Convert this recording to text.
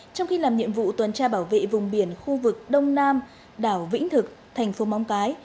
trong khi làm nhiệm vụ tuần tra bảo vệ vùng biển khu vực đông nam đảo vĩnh thực thành phố móng cái